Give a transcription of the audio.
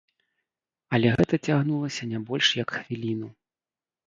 Але гэта цягнулася не больш як хвіліну.